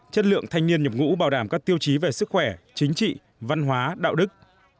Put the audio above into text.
chất lượng thanh niên nhập ngũ bảo đảm các tiêu chí về sức khỏe chính trị văn hóa đạo đức